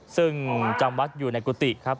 ซึ่งจำวัดอยู่ในกุฏิครับ